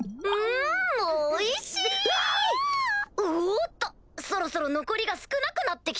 おっとそろそろ残りが少なくなって来たぞ？